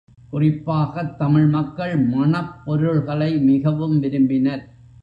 குறிப்பாகத் தமிழ் மக்கள் மணப் பொருள்களை மிகவும் விரும்பினர்.